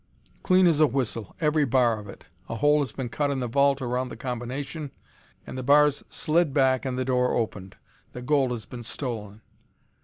"Clean as a whistle, every bar of it. A hole has been cut in the vault around the combination, and the bars slid back and the door opened. The gold has been stolen."